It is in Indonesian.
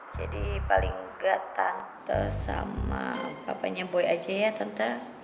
jadi paling enggak tante sama papanya boy aja ya tante